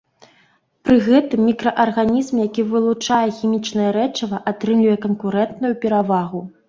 Пры гэтым мікраарганізм, які вылучае хімічнае рэчыва, атрымлівае канкурэнтную перавагу.